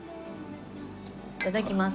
いただきます。